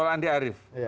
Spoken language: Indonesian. yang di arief